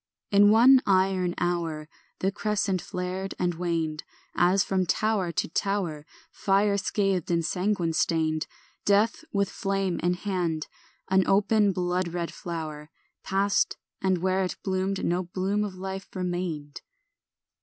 In one iron hour The crescent flared and waned, As from tower to tower, Fire scathed and sanguine stained, Death, with flame in hand, an open bloodred flower, Passed, and where it bloomed no bloom of life remained.